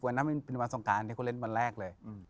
วันนั้นมันเป็นวันสงการที่เขาเล่นวันแรกเลย